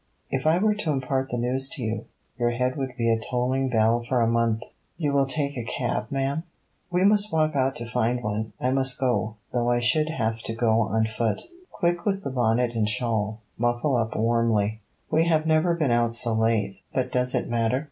If I were to impart the news to you, your head would be a tolling bell for a month.' 'You will take a cab, ma'am.' 'We must walk out to find one. I must go, though I should have to go on foot. Quick with bonnet and shawl; muffle up warmly. We have never been out so late: but does it matter?